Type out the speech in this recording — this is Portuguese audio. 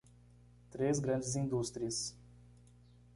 Três grandes indústrias